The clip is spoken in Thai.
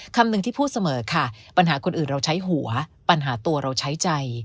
คำหนึ่งที่พูดเสมอค่ะปัญหาคนอื่นเราใช้หัวปัญหาตัวเราใช้ใจ